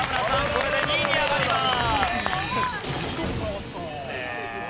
これで２位に上がります。